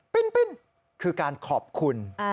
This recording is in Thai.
คือการขอบคุณ